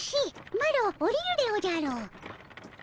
マロおりるでおじゃる。